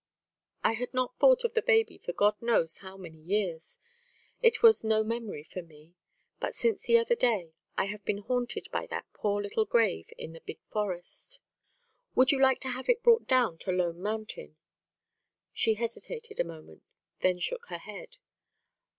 "I had not thought of the baby for God knows how many years. It was no memory for me. But since the other day I have been haunted by that poor little grave in the big forest " "Would you like to have it brought down to Lone Mountain?" She hesitated a moment, then shook her head.